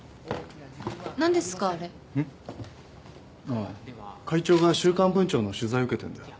あぁ会長が「週刊文潮」の取材受けてんだよ。